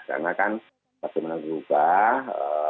karena kan bagaimana berubah